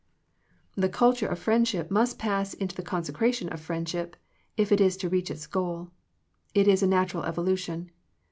'* The Culture of friendship must pass into the Consecration of friendship, if it is to reach its goal. It is a natural evo lution.